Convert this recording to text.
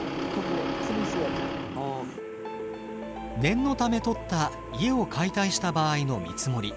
念のため取った家を解体した場合の見積もり。